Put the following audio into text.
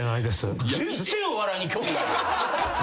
全然お笑いに興味ない。